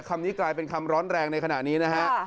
คำนี้กลายเป็นคำร้อนแรงในขณะนี้นะฮะ